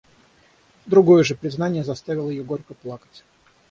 Другое же признание заставило ее горько плакать.